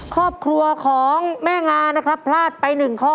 ครอบครัวของแม่งานะครับพลาดไป๑ข้อ